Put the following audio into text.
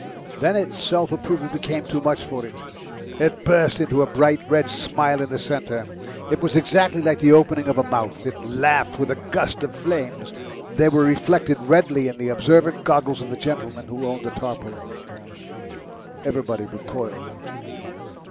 Then its self approval became too much for it; it burst into a bright red smile in the centre. It was exactly like the opening of a mouth. It laughed with a gust of flames. They were reflected redly in the observant goggles of the gentleman who owned the tarpaulin. Everybody recoiled.